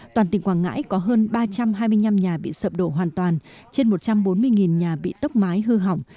toàn tỉnh quảng ngãi có hơn ba trăm hai mươi năm nhà bị sập đổ hoàn toàn trên một trăm bốn mươi nhà bị tốc mái hư hỏng